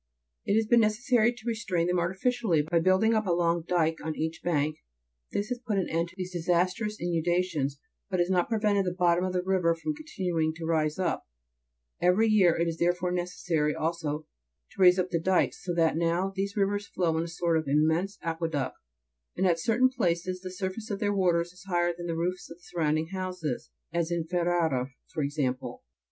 It has been necessary to restrain them artificially, by building up a long dyke on each bank ; this has put an end to these disastrous inundations, but has not prevented the bottom of the river from continuing to rise up ; every year it is therefore necessary also to raise up the dykes, so that now these rivers flow in a sort of immense aqueduct, and at certain places the surface of their waters is higher than the roofs of the surrounding houses, as at Ferrara, for ex ample.